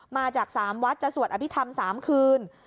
มาจาก๓วัดจะสวดอภิษฐรรม๓คืน